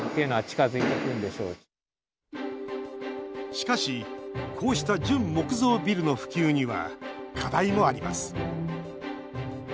しかしこうした純木造ビルの普及には課題もあります。